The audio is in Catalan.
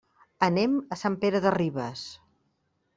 Anem a Sant Pere de Ribes.